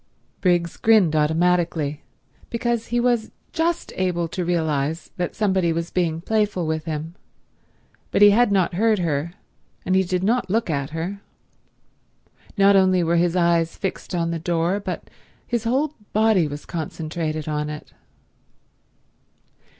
Briggs grinned automatically, because he was just able to realize that somebody was being playful with him, but he had not heard her and he did not look at her. Not only were his eyes fixed on the door but his whole body was concentrated on it.